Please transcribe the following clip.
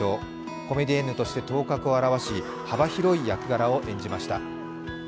コメディエンヌとして頭角を現し幅広い役柄を演じました。